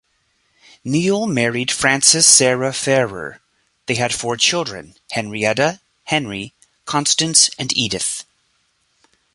Neale married Frances Sarah Farrer; they had four children: Henrietta, Henry, Constance and Edith.